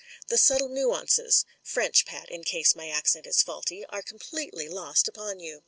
The subtle nuances (French, Pat, in case my accent is faulty) are completely lost upon you."